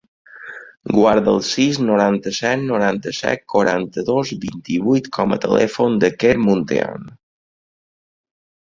Guarda el sis, noranta-set, noranta-set, quaranta-dos, vint-i-vuit com a telèfon del Quer Muntean.